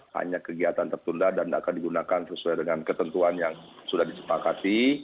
hanya kegiatan tertunda dan akan digunakan sesuai dengan ketentuan yang sudah disepakati